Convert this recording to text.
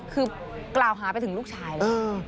คือกล่าวหาไปถึงลูกชายเลย